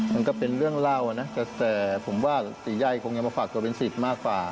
มันก็เป็นเรื่องเล่านะแต่ผมว่าตีใยคงจะมาฝากตัวเป็นสิทธิ์มากกว่า